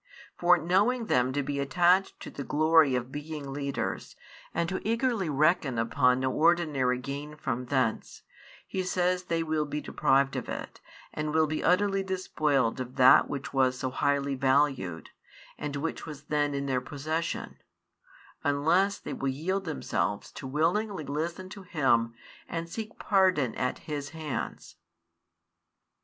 For knowing them to be attached to the glory of being leaders, and to eagerly reckon upon no ordinary gain from thence, He says they will be deprived of it, and will be utterly despoiled of that which was so highly valued, and which was then in their possession; unless they will yield themselves to willingly listen to Him, and seek pardon at His hands.